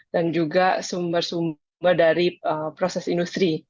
dan juga sumber sumber dari proses industri